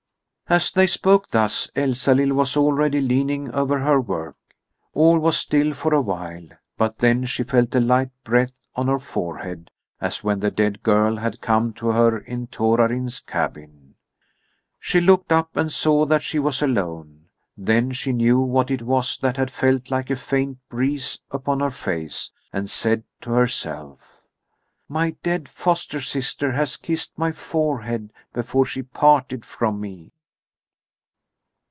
As they spoke thus Elsalill was already leaning over her work. All was still for a while, but then she felt a light breath on her forehead, as when the dead girl had come to her in Torarin's cabin. She looked up and saw that she was alone. Then she knew what it was that had felt like a faint breeze upon her face, and said to herself: "My dead foster sister has kissed my forehead before she parted from me."